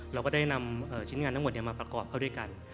เราก็ได้นำชิ้นงานทั้งหมดมาประกอบเข้าด้วยกัน